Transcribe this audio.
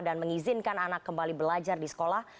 dan mengizinkan anak kembali belajar di sekolah